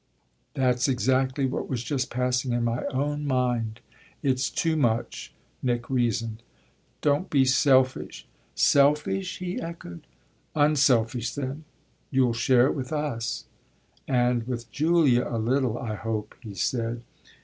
"That's exactly what was just passing in my own mind. It's too much," Nick reasoned. "Don't be selfish!" "Selfish?" he echoed. "Unselfish then. You'll share it with us." "And with Julia a little, I hope," he said.